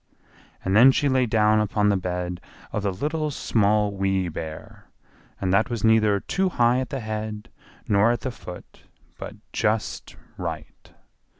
And then she lay down upon the bed of the Little, Small, Wee Bear, and that was neither too high at the head nor at the foot, but just right.